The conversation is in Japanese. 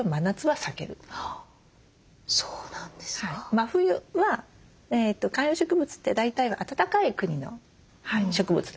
真冬は観葉植物って大体が暖かい国の植物たちですよね。